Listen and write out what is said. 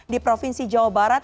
di provinsi jawa barat